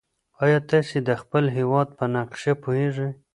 ایا تاسي د خپل هېواد په نقشه پوهېږئ؟